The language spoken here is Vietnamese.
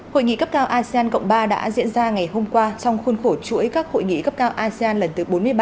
hội nghị cấp cao asean cộng ba đã diễn ra ngày hôm qua trong khuôn khổ chuỗi các hội nghị cấp cao asean lần thứ bốn mươi ba